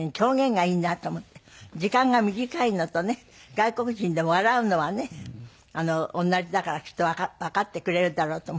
外国人でも笑うのはね同じだからきっとわかってくれるだろうと思って。